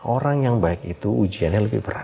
orang yang baik itu ujiannya lebih berat